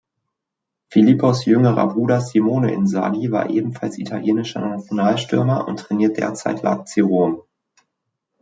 Filippos jüngerer Bruder Simone Inzaghi war ebenfalls italienischer Nationalstürmer und trainiert derzeit Lazio Rom.